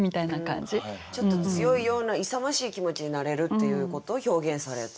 ちょっと強いような勇ましい気持ちになれるっていうことを表現された。